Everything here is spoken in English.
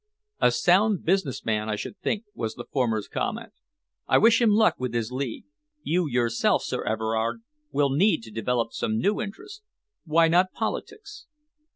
"A sound business man, I should think," was the former's comment. "I wish him luck with his League. You yourself, Sir Everard, will need to develop some new interests. Why not politics?"